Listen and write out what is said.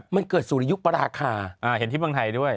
มันเกิดสุริยุปราคาเห็นที่เมืองไทยด้วย